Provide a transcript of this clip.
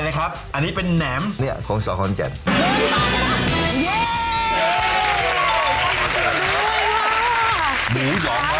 นะครับนี่แค่ดู